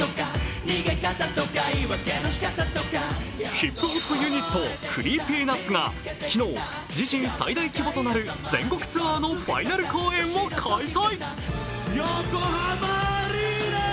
ヒップホップユニット、ＣｒｅｅｐｙＮｕｔｓが昨日、自身、最大規模となる全国ツアーのファイナル公演を開催。